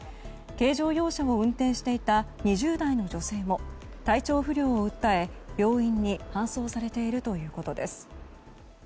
軽乗用車を運転していた２０代の女性も体調不良を訴え、病院に搬送されているということです。